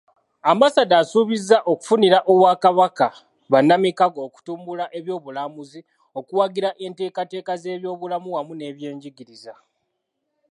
Ambasada asuubizza okufunira Obwakabaka bannamikago okutumbula ebyobulambuzi, okuwagira enteekateeka z'ebyobulamu wamu n'ebyenjigiriza.